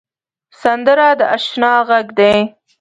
سندره د اشنا غږ دی